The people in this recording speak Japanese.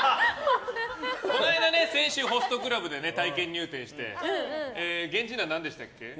この間、先週ホストクラブで体験入店して源氏名、何でしたっけ？